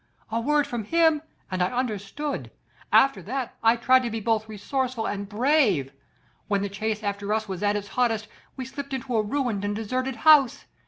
A word from him and I understood. After that I tried to be both resourceful and brave. When the chase after us was at its hottest we slipped into a ruined and deserted house.